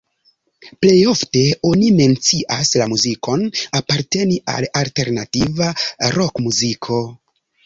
Plej ofte oni mencias la muzikon aparteni al alternativa rokmuziko.